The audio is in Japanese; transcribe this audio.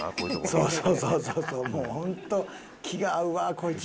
そうそうそうそうそうもうホント気が合うわこいつ。